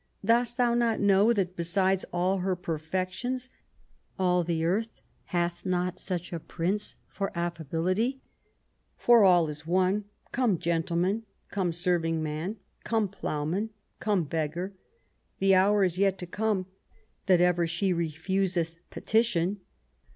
Dost thou not know that, besides all her perfections, all the earth hath not such a prince for affability ? For all is one ; come gentleman, come serving man, come ploughman, come beggar, the hour is yet to come that ever she refuseth petition."